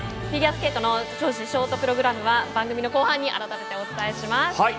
フィギュアスケートのショートプログラムは番組の後半に改めてお伝えします。